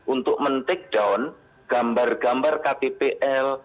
untuk men take down gambar gambar ktpl